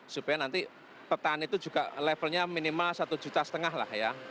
supaya nanti petani itu juga levelnya minimal satu juta setengah lah ya